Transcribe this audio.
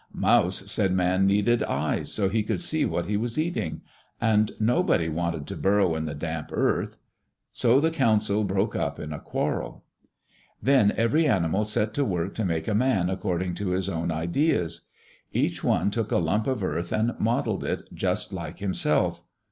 Mouse said man needed eyes so he could see what he was eating. And nobody wanted to burrow in the damp earth. So the council broke up in a quarrel. Then every animal set to work to make a man according to his own ideas. Each one took a lump of earth and modelled it just like himself.